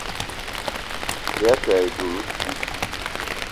Bìayî ke e dula ossu.